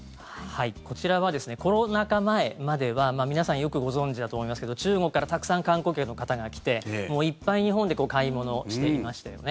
こちらはコロナ禍前までは皆さんよくご存じだと思いますが中国からたくさん観光客の方が来ていっぱい日本で買い物をしていましたよね。